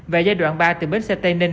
và giai đoạn ba từ bến xe tây ninh